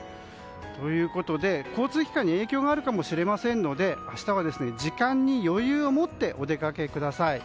ということで交通機関に影響があるかもしれないので明日は、時間に余裕を持ってお出かけください。